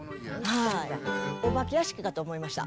お化け屋敷かと思いました。